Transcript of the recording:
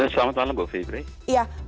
selamat malam bopi ibrahim